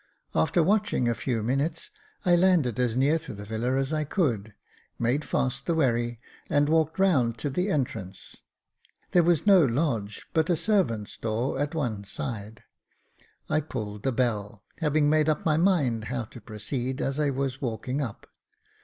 After watching a few minutes, I landed as near to the villa as I could, made fast the wherry, and walked round to the entrance. There was no lodge, but a servant's door at one side. I pulled the bell, having made up my mind how to proceed as I was walking up.